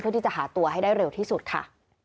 ที่จะหาตัวให้ได้เร็วที่สุดค่ะ